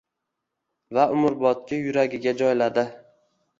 Va umrbodga yuragiga joyladi.